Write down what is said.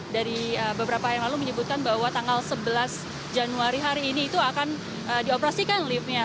dari beberapa yang lalu menyebutkan bahwa tanggal sebelas januari hari ini itu akan dioperasikan liftnya